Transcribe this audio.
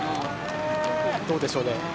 どうでしょうね。